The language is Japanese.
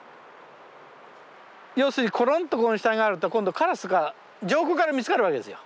要するにコロンと死体があると今度カラスから上空から見つかるわけですよ。